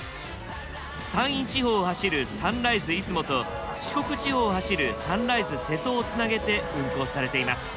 山陰地方を走る「サンライズ出雲」と四国地方を走る「サンライズ瀬戸」をつなげて運行されています。